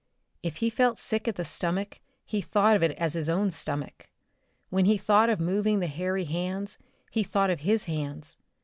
If he felt sick at the stomach he thought of it as his own stomach. When he thought of moving the hairy hands he thought of his hands.